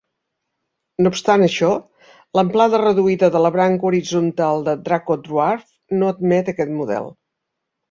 No obstant això, l'amplada reduïda de la branca horitzontal de Draco Dwarf no admet aquest model.